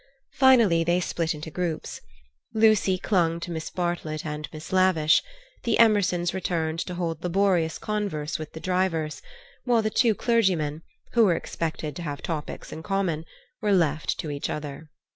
Finally they split into groups. Lucy clung to Miss Bartlett and Miss Lavish; the Emersons returned to hold laborious converse with the drivers; while the two clergymen, who were expected to have topics in common, were left to each other.